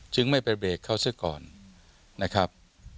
จึงไม่ไปเบรกเขาซะก่อนนะครับ